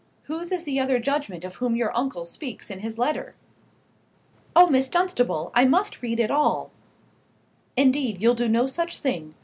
Whose is the other judgment of whom your uncle speaks in his letter?" "Oh, Miss Dunstable! I must read it all." "Indeed you'll do no such thing.